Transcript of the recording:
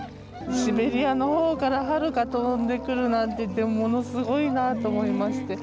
シベリアのほうから春が飛んでくるなんてものすごいなと思いまして